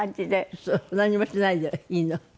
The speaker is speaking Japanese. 何もしないでいいの？